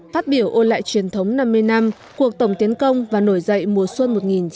phát biểu ôn lại truyền thống năm mươi năm cuộc tổng tiến công và nổi dậy mùa xuân một nghìn chín trăm bảy mươi năm